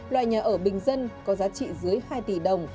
loại nhà ở bình dân có giá trị dưới hai tỷ đồng